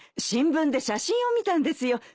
新聞で写真を見たんですよ。